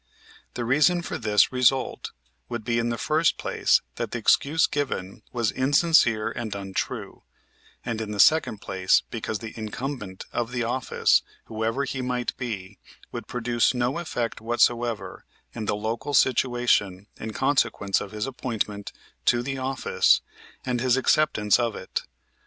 The reason for this result would be in the first place that the excuse given was insincere and untrue, and in the second place, because the incumbent of the office, whoever he might be, would produce no effect whatsoever in the local situation in consequence of his appointment to the office and his acceptance of it.